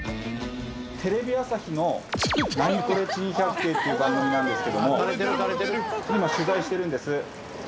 テレビ朝日の『ナニコレ珍百景』っていう番組なんですけども今取材してるんです。